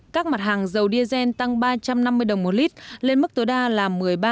các mặt hàng dầu diesel tăng ba trăm năm mươi đồng một lít lên mức tối đa một mươi ba tám trăm một mươi chín đồng một lít